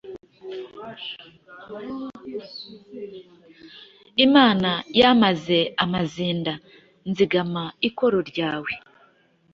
Imana yamaze amazinda.nzigama ikoro ryawe,